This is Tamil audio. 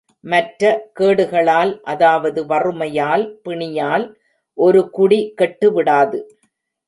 மற்ற கேடுகளால் அதாவது வறுமையால் பிணியால் ஒரு குடி கெட்டுவிடாது.